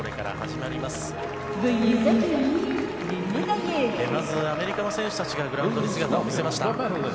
まずアメリカの選手たちがグラウンドに姿を見せました。